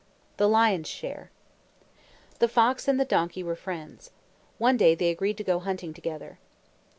THE LION'S SHARE The fox and the donkey were friends. One day they agreed to go hunting together.